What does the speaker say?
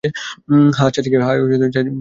হ্যাঁ, চাচিকে ডাক দে।